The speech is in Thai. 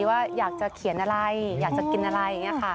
ว่าอยากจะเขียนอะไรอยากจะกินอะไรอย่างนี้ค่ะ